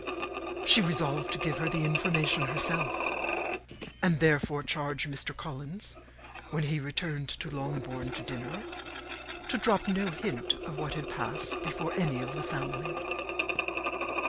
She resolved to give her the information herself; and therefore charged Mr. Collins, when he returned to Longbourn to dinner, to drop no hint of what had passed before any of the family.